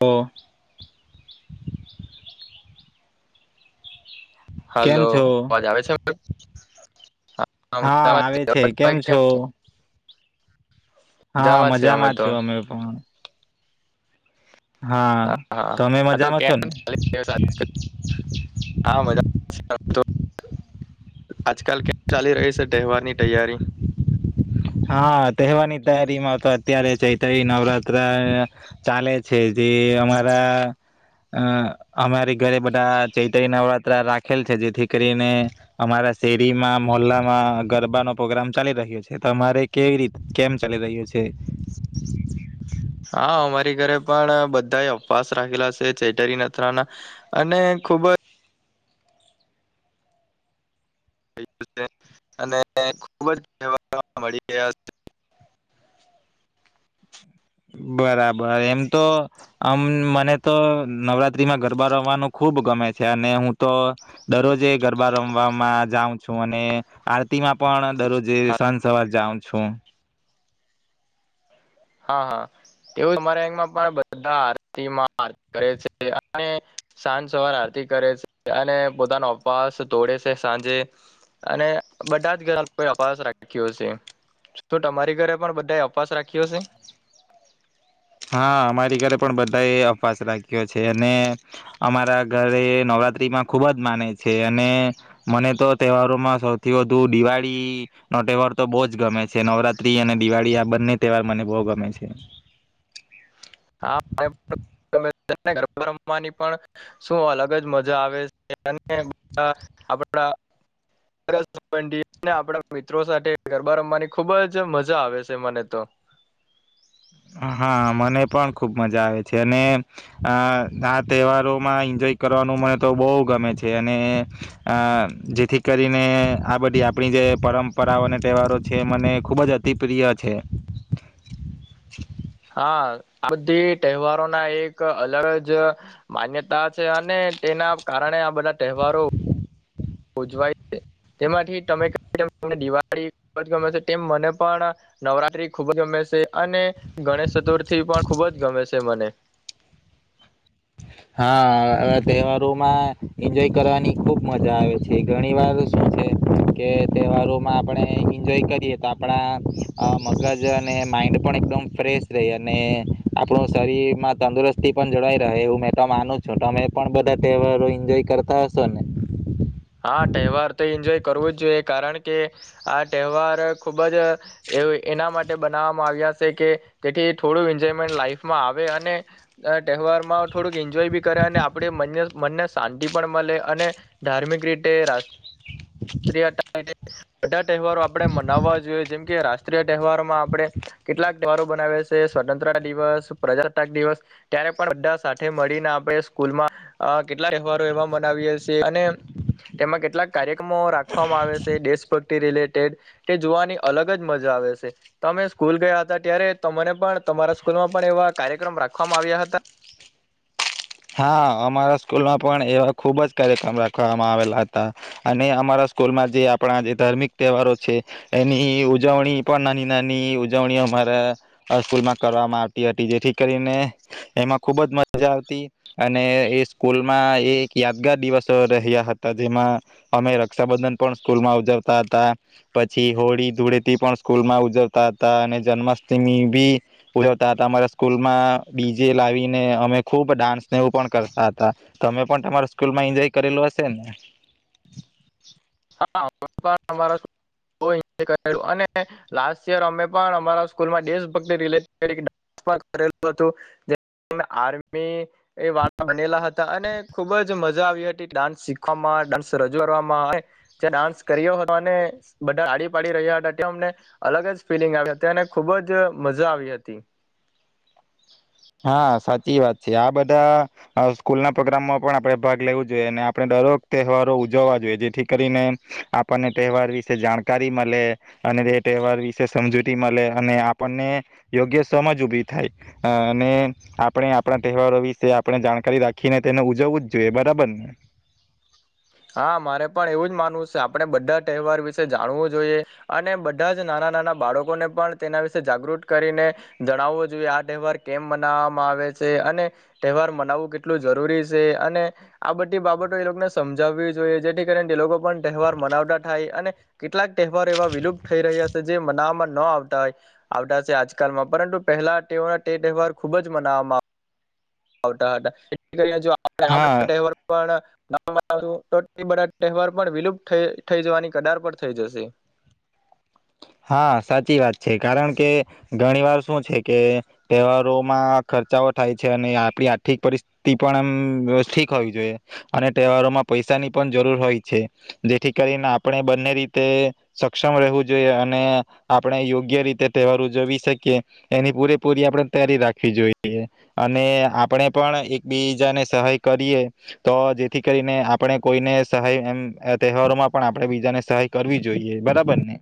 તો. કેમ હાલો છો? અવાજ આવે છે? [unintelligible] હા મજામાં આવે છે અવાજ આવે કેમ કે? છો? હા મજામાં છો અમે પણ. હા હા તમે આ તો મજામાં કેમ છો ને? ચાલી રહ્યો છે આજકાલ હા મજામાં છીએ આજકાલ કેમ ચાલી રહી છે તહેવારની તૈયારી? હા, તહેવારની તૈયારી માં તો અત્યારે ચૈત્રી નવરાત્રા ચાલે છે. જે અમારા અ અમારી ઘરે બધા ચૈત્રી નવરાત્રા રાખેલ છે જેથી કરીને અમારા શેરીમાં મોલ્લામાં ગરબાનો પ્રોગ્રામ ચાલી રહ્યો છે. તમારે કેવી રીત કેમ ચાલી રહ્યો છે? હા અમારી ઘરે પણ બધા એ ઉપાસ રાખેલા છે ચેટરી નથરાના અને ખુબ જ અને ખુબ જ મળી ગયા છે. બરાબર, એમ તો આમ મને તો નવરાત્રીમાં ગરબા રમવાનું ખુબ ગમે છે, અને હું તો દરરોજે ગરબા રમવામાં જાઉં છું, અને આરતીમાં પણ દરરોજે હા સાંજ સવાર જાઉં છું. હા, હા, તેઓ તમારાં ગામમાં પણ બધા આરતીમાં આરતી કરે છે અને સાંજ સવાર આરતી કરે છે અને પોતાનો અપાસ તોડે છે, સાંજે અને બધા જ ઘર અપવાસ રાખ્યો છે તમારી ઘરે પણ બધાએ અપવાસ રાખ્યો હશે? હા, અમારી ઘરે પણ બધા એ અપાસ રાખ્યો છે, અને અમારા ઘરે નવરાત્રીમાં ખુબ જ માને છે‌. અને મને તો તહેવારોમાં સૌથી વધુ દિવાળી નો તહેવાર તો બહુ જ ગમે છે. નવરાત્રી અને દિવાળી-આ બંને તહેવાર મને બહુ ગમે છે. હા ગરબા રમવાની પણ શું અલગ જ મજા આવે છે અને આપ આપ મિત્રો સાથે ગરબા રમવાની ખુબ જ મજા આવે છે મને તો હા મને પણ ખૂબ મજા આવે છે અને આ આ તહેવારોમાં એન્જોય કરવાનું મને તો બો‌ ગમે છે અને આ જેથી કરીને આ બધી આપણી જે પરંપરાઓ અને તહેવારો છે મને ખૂબ જ અતિ પ્રિય છે હા આ બધી તહેવારોના એક અલગ જ માન્યતા છે અને તેના કારણે આ બધા તહેવારો ઉજવાય છે તેમાંથી તમે કઈ તેમ દિવાળી ખુબજ ગમે છે તેમ મને પણ નવરાત્રી ખૂબ જ ગમે છે અને ગણેશ ચતુર્થી પણ ખૂબ જ ગમે છે મને હા હવે તહેવારોમાં એન્જોય કરવાની ખુબ મજા આવે છે ઘણી વાર શું છે કે તહેવારોમાં આપણે એન્જોય કરીએ તો આપણા અ મગજ અને માઈન્ડ પણ એકદમ ફ્રેશ રહી અને આપણું શરીરમાં તંદુરસ્તી પણ જળઈ રહે મેતો માનું છું તમે પણ બધા તહેવારો એન્જોય કરતા હશો ને હા તહેવાર તો એન્જોય કરવું જ જોઈએ કારણ કે આ તહેવાર ખૂબ જ એ એના માટે બનાવવામાં આવ્યા છે કે જેથી થોડું એન્જોયમેન્ટ લાાઈફમાં આવે અને તહેવારમાં થોડુંક એન્જોય ભી કરાય અને આપણે મંને મનને શાંતિ પણ મળે અને ધાર્મિક [unintelligible] [inaudible] [inaudible] તહેવારો આપણે મનાવવા જોઈએ જેમ કે રાષ્ટ્ર [inaudible] તહેવારમાં આપણે કેટલાક તહેવારો બનાવેસે સ્વતંત્રતા દિવસ પ્રજતાક દિવસ ત્યારે પણ બધા સાથે મળીને આપણે સ્કૂલમાં કેટલા તહેવારો એવા મનાવીએ છીએ અને [inaudible] તેમાં કેટલા કાર્ય ક્રમો રાખવામાં આવે છે દેશભક્તિ [unintelligible] કે જોવાની અલગ જ મજા આવે છે ત અમે સ્કૂલ ગયા હતા ત્યારે તને પણ તમારા સ્કૂલમાં પણ એવા કાર્યક્રમ રાખવામાં આવ્યા હતા હા અમારા સ્કૂલમાં પણ એવા ખૂબ જ કાર્યક્રમ રાખવામાં આવેલા હતા અને અમારા સ્કૂલમાં જે આપણા જે ધાર્મિક તહેવારો છે એની ઉજવણી પણ નાની નાની ઉજવણી અમારા સ્કૂલમાં કરવામાં આવતી હતી જેથી કરીને એમાં ખૂબ જ મજા આવતી અને એ સ્કૂલમાં એ એક યાદગાર દિવસ રહ્યા હતા જેમાં અમે રક્ષાબંધન પણ સ્કૂલ માં ઉજવતા હતા પછી હોળી ધૂળેથી પણ સ્કૂલ માં ઉજવતા હતા અને જન્માષ્ટમી ભી ઉજવતા હતા અમારા સ્કૂલમાં ડી જે લાવીને અમે ખુબ ડાન્સ ને એવું પણ કરતા હતા તમે પણ તમારા સ્કૂલમાં એન્જોય કરેલું હશે ને [inaudible] ત્યા ડાન્સ કર્યો હતો અને બધા ટાડી પાડી રહ્યા હતા ત્યાં અમને અલગ જ ફિલિંગ આવ હતી અને ખુબ જ મજા આવી હતી હા સાચી વાત છે આ બધા સ્કૂલ ના પ્રોગ્રામમાં પણ આપણે ભાગ લેવું જોઈએ અને આપણે દરોક તહેવારો ઉજવવા જોઈએ જેથી કરીને આપણને તહેવાર વિશે જાણકારી મળે અને તે તહેવાર વિશે સમજૂતી મળે અને આપણને યોગ્ય સમજ ઉભી થાય ને આપણે આપણા તહેવારો વિશે આપણે જાણકારી રાખીને તેને ઉજવવું જ જોઈએ બરાબર ને હા મારે પણ એવું જ માનવું છે આપણે બધા તહેવાર વિશે જાણવું જોઈએ અને બધા જ નાના નાના બાળકોને પણ તેના વિશે જાગૃત કરીને જણાવવો જોઈએ આ તહેવાર કેમ મનાવવામાં આવે છે અને તહેવાર મનાવવું કેટલું જરૂરી છે અને આ બધી બાબતો એ લોકોને સમજ ઉજવવી જોઈએ જેથી કરીને તે લોકો પણ તહેવાર મનાવતા થાય અને કેટલાક તહેવાર એવા વિલુપ્ત થઈ રહ્યા છે જે મનાવવામાં ન આવતાય આવતા છે આજકાલમાં પરંતુ પહેલા તેઓના તે તહેવાર ખુબ જ મનાવામાં આવ આવટા [inaudible] [inaudible] પણ હા [inaudible] તહેવાર પણ વિલુપ્ત થઈ જવાની કદાર પર થઈ જશે હા સાચી વાત છે કારણ કે ઘણી વાર શું છે કે તહેવારોમાં ખર્ચાઓ થાય છે અને આપણી આર્થિક પરિસ્થિતિ પણ એમ ઠીક હોવી જોઈએ અને તહેવારોમાં પૈસાની પણ જરૂર હોય છે જેથી કરીને આપણે બંને રીતે સક્ષમ રહેવું જોઈએ ને આપણે યોગ્ય રીતે તહેવાર ઉજવી શકીએ એની પૂરેપૂરી આપણે તૈારી રાખવી જોઈએ અને આપણે પણ એકબીજાને સહાય કરીએ તો જેથી કરીને આપણે કોઈને સહાય એ તહેવારોમાં પણ આપણે બીજાને સહાય કરવી જોઈએ બરાબરને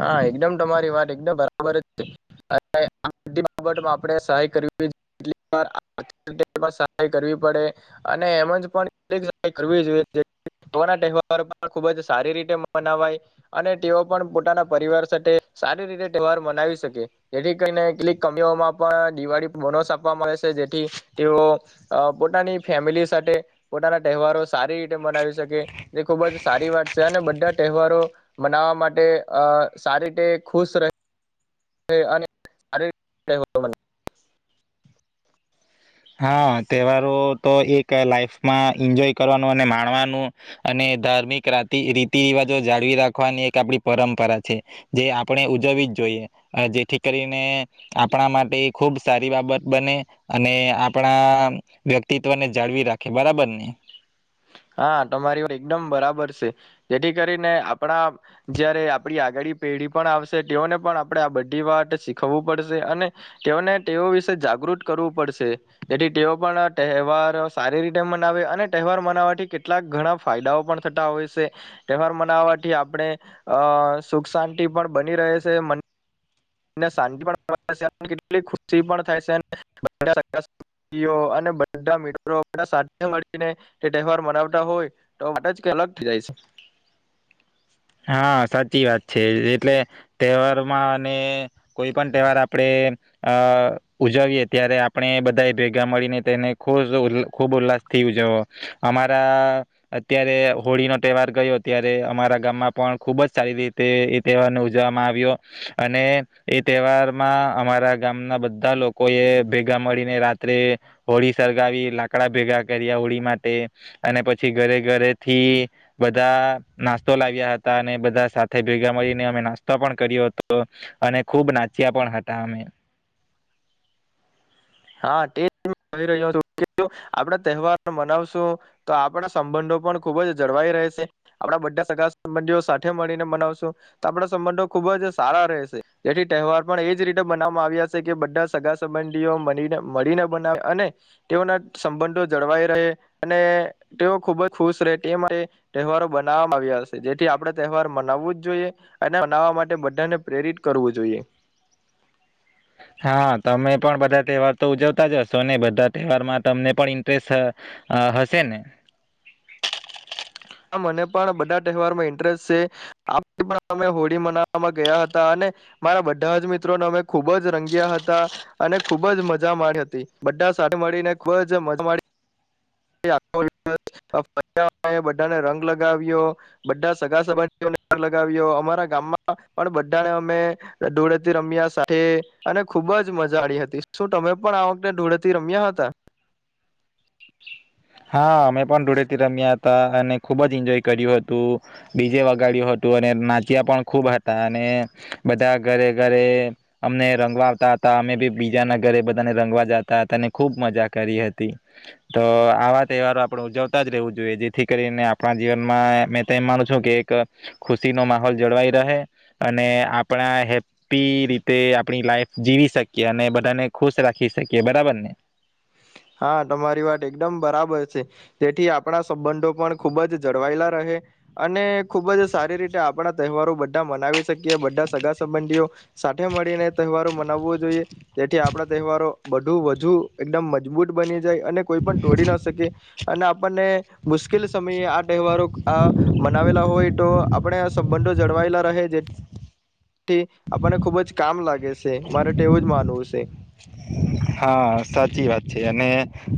હા એકદમ તમારી વાત એકદમ બરાબર આપ સહવીહાય કરવી પડે અને એમનાહેવાર ખુબ જ સારી રીતે મનાવાય અને તેઓ પણ પોતાના [inaudible] પરિવાર સાથે સારી રીતે તહેવાર મનાવી શકે જેથી કરીને કેટલીક કમીઓમાં પણ દિવાળી બોનસ આપવા આવે છે જેથી તેઓ પોતાની ફેમિલી સાથે પોતાના તહેવારો સારી રીતે મનાવી શકે જે ખૂબ જ સારી વાત છે અને બધા તહેવારો મનાવા માટે અ સારી રીતે ખુશ રહે અને શારીરિક [inaudible] હા તહેવારો તો એક લાઈફમાં એન્જોય કરવાનું અને માણવાનું અને ધાર્મિક રા રીતિ રિવાજો જાળવી રાખવાની એક આપણી પરંપરા છે જે આપણે ઉજવવી જ જોઈએ જેથી કરીને આપણા માટે ખુબ સારી બાબત બને અને પણ વ્યક્તિત્વને જાળવી રાખે બરાબર ને હા તમારી વાત એકદમ બરાબર છે જેથી કરીને આપણા જયારે આપડી આગળ પેઢી પણ આવશે તેઓને પણ આપણે આ બધી વાત શીખવું પડશે અને તેઓને તેઓ વિશે જાગૃત કરવું પડશે જેથી તેઓ પણ તહેવાર સારી રીતે મનાવે અને તહેવાર મનાવવાથી કેટલાક ઘણા ફાયદાઓ પણ થતા હોય છે તહેવાર મનાવાથી આપણે અ સુખ શાંતિ પણ બની રહે છે શાંતિ પણ કેટલી ખુશી પણ થાય છે અને બધા [inaudible] સાથે મળીને તે તહેવાર મનાવતા હોય તો વાત જ અલગ થઈ જાય છે [inaudible] હા સાચી વાત છે એટલે તહેવારમાં અને કોઈ પણ તહેવાર આપડે અ ઉજવીએ ત્યારે આપણે બધા એ ભેગા મળીને તેને ખુબ ખૂબ ઉલ્લાસથી ઉજવો અમારા અત્યારે હોળીનોો તહેવાર ગયો ત્યારે અમારા ગામમાં પણ ખુબ જ સારી રીતે એ તહેવારને ઉજવવામાં આવ્યો અને એ તહેવારમાં અમારા ગામના બધા લોકો એ ભેગા મળીને રાત્રે હોળી સળગાવી લાકડા ભેગા કર્યા હોળી માટે અને પછી ઘરે ઘરે થી બધા નાસ્તો લાવ્યા હતા અને બધા સાથે ભેગા મળીને અમે નાસ્તો પણ કર્યો હતો અને ખુબ નાચ્યા પણ હતા અમે હા તે કહી રહ્યોું આપડા તહેવાર મનાવશું તો આપડા સંબંધો પણ ખુબ જ જળવાઈ રહેશે આપડા બધા સગા સંબંધીઓ સાથે મળીને મનાવશું તો આપડા સંબંધો ખુબ જ સારા રહેશે જેથી તહેવાર પણ એજ રીતે મનાવવામાં આવ્યા છે કે બધા સગા સંબંધીઓ મની [inaudible] મળીને બનાવે અને તેઓના સંબંધો જળવાઈ રહે અને તેઓ ખુબ જ ખુશ રહે તે માટે તહેવારો બનાવવામાં આવ્યા હશે જેથી આપણે તહેવાર મનાવવું જ જોઈએ અને મનાવવા માટે બધાને પ્રેરિત કરવું જોઈએ હા તમે પણ બધા તહેવાર તો ઉજવતા જશો ને બધા તહેવાર માં તમને પણ ઇન્ટરેસ્ટ હશે ને હ મને પણ બધા તહેવારમાં ઇન્ટરેસ્ટ છે પણ અમે હોળી મનાવવામાં ગયા હતા અને મારા બધા જ મિત્રોને અમે ખૂબ જ રંગ્યા હતા અને ખૂબ જ મજા મા હતી બધા સાથે મળીને ખૂબ જ મજા [inaudible] [inaudible] બધાને રંગ લગાવ્યો બધા સગા સબંધીઓને પણ લગાવ્યો અમારા ગામમાં પણ બધાને અમે ધૂળેથી રમ્યા સાથે અને ખુબ જ મજા આવી હતી. શું તમે પણ આ વખતે ધૂળેથી રમ્યા હતા? હા અમે પણ ધૂળેથી રમ્યા હતા અને ખુબ જ એન્જોય કર્યું હતું. ડીજે વગાડ્યું હતું અને નાચ્યા પણ ખૂબ હતા અને બધા ઘરે ઘરે અમને રંગવા આવતા હતા, અમે બી બીજાના ઘરે બધાને રંગવા જતા હતા અને ખૂબ મજા કરી હતી. તો આવા તહેવારો આપણે ઉજવતા જ રહેવું જોઈએ. જેથી કરીને આપણા જીવનમાં મેં તો એમ માનું છું કે એક ખુશીનો માહોલ જળવાઈ રહે અને આપણા હેપી રીતે આપણી લાઈફ જીવી શકીએ અને બધાને ખુશ રાખી શકીએ. બરાબર ને? હા તમારી વાત એકદમ બરાબર છે. તેથી આપણા સંબંધો પણ ખુબ જ જળવાયેલા રહે અને ખુબ જ સારી રીતે આપણા તહેવારો બધા મનાવી શકીએ. બધા સગા સંબંધીઓ સાથે મળીને તહેવારો મનાવવો જોઈએ. તેથી આપણા તહેવારો બધું વધુ એકદમ બુટ બની જાય અને કોઈ પણ તોડી ન શકે અને આપણને મુશ્કેલ સમયે આ તહેવારો આ મનાવેલા હોય તો આપણે આ સંબંધો જળવાયેલા રહે જેથી આપણને ખુબ જ કામ લાગે શે મારે તો એવું જ માનવું શે. હા સાચી વાત છે અને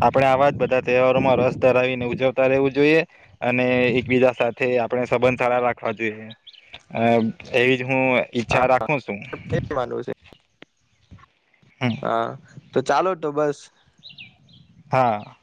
આપણે આવા જ બધા તહેવારોમાં રસ ધરાવીને ઉજવતા રહેવું જોઈએ અને એકબીજા સાથે આપણે સંબંધ સારા રાખવા જોઈએ. અ એવી હું હા ઈચ્છા રાખું છું. એ માનવું છે હા. તો ચાલો તો બસ હા.